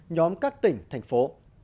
nhóm các tỉnh thành phố